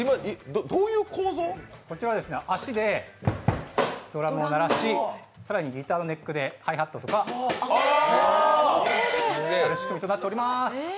足でドラムを鳴らし、更にギターをネックで、ハイハットとかこういう仕組みとなっております。